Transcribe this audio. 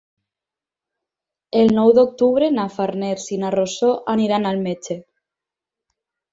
El nou d'octubre na Farners i na Rosó aniran al metge.